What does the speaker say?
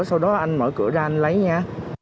sau đó anh mở cửa ra anh lấy nha